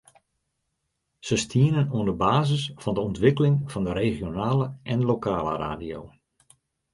Se stienen oan de basis fan de ûntwikkeling fan de regionale en lokale radio.